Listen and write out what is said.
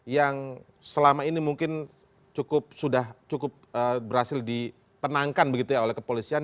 yang selama ini mungkin sudah cukup berhasil ditenangkan begitu ya oleh kepolisian